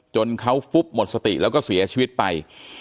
จนเขาฟุบหมดสติแล้วก็เสียชีวิตไป